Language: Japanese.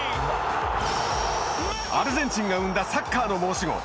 アルゼンチンが生んだサッカーの申し子